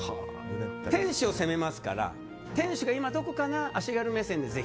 天守を攻めますから天守が今どこかなっていう足軽目線で。